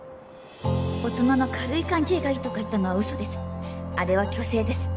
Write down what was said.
大人の軽い関係がいいとか言ったのはウソですあれは虚勢です